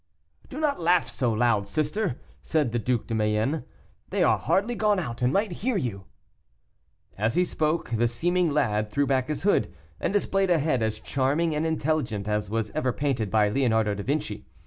"Do not laugh so loud, sister," said the Duc de Mayenne, "they are hardly gone out, and might hear you." As he spoke, the seeming lad threw back his hood, and displayed a head as charming and intelligent as was ever painted by Leonardo da Vinci.